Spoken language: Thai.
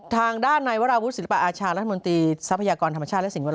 ทางด้านในวราวุฒิศิลปะอาชารัฐมนตรีทรัพยากรธรรมชาติและสิ่งเวลา